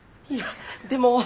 いやでも。